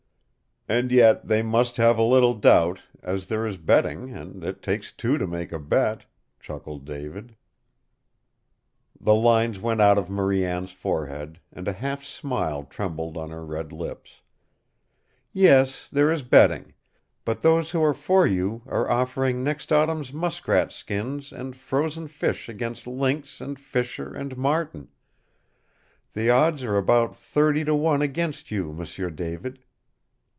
"And yet they must have a little doubt, as there is betting, and it takes two to make a bet," chuckled David. The lines went out of Marie Anne's forehead, and a half smile trembled on her red lips. "Yes, there is betting. But those who are for you are offering next autumn's muskrat skins and frozen fish against lynx and fisher and marten. The odds are about thirty to one against you, M'sieu David!"